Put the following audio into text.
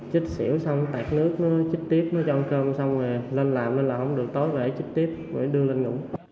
chích xỉu xong tạt nước nó chích tiếp nó cho ăn cơm xong rồi lên làm nên là không được tối về chích tiếp phải đưa lên ngủ